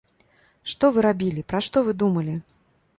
Што вы рабілі, пра што вы думалі?